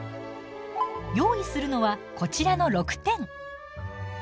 用意するのはこちらの６点。